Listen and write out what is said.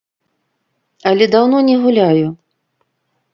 Але даўно не гуляю.